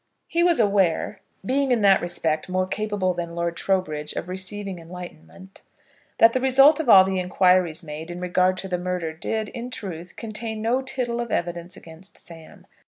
He was aware, being in that respect more capable than Lord Trowbridge of receiving enlightenment, that the result of all the inquiries made, in regard to the murder, did, in truth, contain no tittle of evidence against Sam.